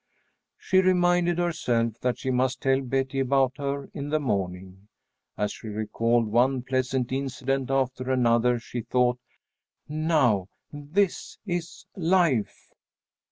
She reminded herself that she must tell Betty about her in the morning. As she recalled one pleasant incident after another, she thought, "Now this is life!